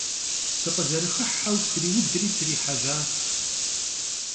Sıkhızerıxıheu, sriudri srihejaş.